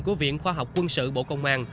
của viện khoa học quân sự bộ công an